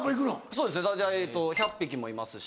そうですね大体１００匹もいますし。